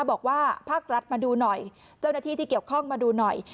บอกว่าภาครัฐมาดูหน่อยเจ้าหน้าที่ที่เกี่ยวข้องมาดูหน่อย